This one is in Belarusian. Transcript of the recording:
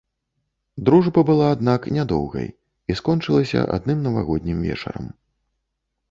Дружба была, аднак, нядоўгай і скончылася адным навагоднім вечарам.